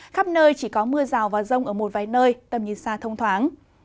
khắp nơi chỉ có mưa rào và rông ở một vài nơi tầm nhìn xa thông thoáng